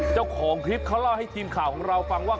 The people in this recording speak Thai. เจ้าของคลิปเขาเล่าให้ทีมข่าวของเราฟังว่า